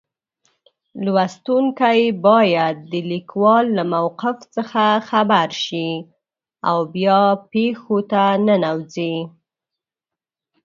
لوستونکی باید د لیکوال له موقف څخه خبر شي او بیا پېښو ته ننوځي.